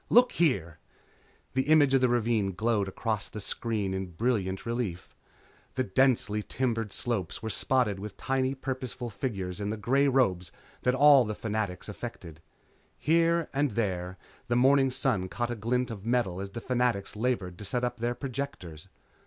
Look here " The image of the ravine glowed across the screen in brilliant relief. The densely timbered slopes were spotted with tiny purposeful figures in the grey robes that all Fanatics affected. Here and there the morning sun caught a glint of metal as the Fanatics labored to set up their projectors.